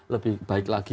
lebih baik lagi